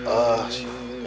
ah si nek